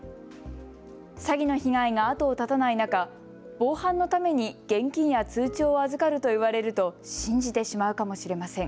詐欺の被害が後を絶たない中、防犯のために現金や通帳を預かると言われると信じてしまうかもしれません。